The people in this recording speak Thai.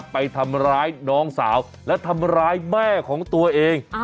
ไปทำร้ายน้องสาวและทำร้ายแม่ของตัวเอง